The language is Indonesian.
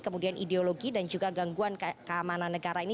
kemudian ideologi dan juga gangguan keamanan negara ini